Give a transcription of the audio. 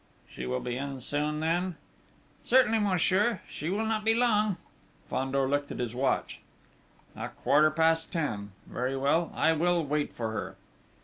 "She will be in soon, then?" "Certainly, monsieur: she will not be long...." Fandor looked at his watch. "A quarter past ten!... Very well, I will wait for her."